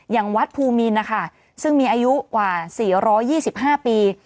อย่างวัดภูมินนะคะซึ่งมีอายุกว่า๔๒๕ปี